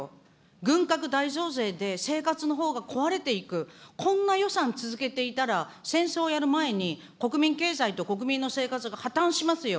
軍拡大増税で生活のほうが壊れていく、こんな予算続けていたら、戦争やる前に国民経済と国民の生活が破綻しますよ。